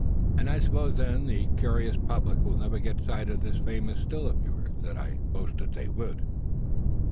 And I suppose then that the curious public will never get the sight of this famous Still of yours, that I boasted they would."